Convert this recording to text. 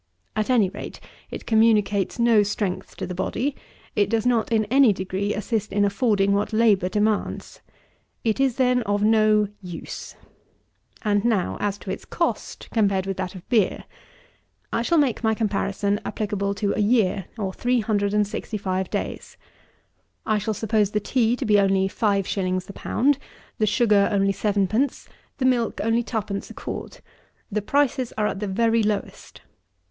At any rate it communicates no strength to the body; it does not, in any degree, assist in affording what labour demands. It is, then, of no use. And, now, as to its cost, compared with that of beer. I shall make my comparison applicable to a year, or three hundred and sixty five days. I shall suppose the tea to be only five shillings the pound; the sugar only sevenpence; the milk only twopence a quart. The prices are at the very lowest.